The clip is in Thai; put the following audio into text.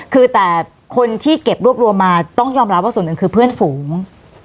คือแต่คนที่เก็บรวบรวมมาต้องยอมรับว่าส่วนหนึ่งคือเพื่อนฝูง